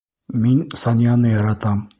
Мин Санияны яратам.